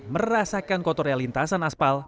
merasakan kotornya lintasan aspal